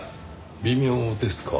微妙ですか。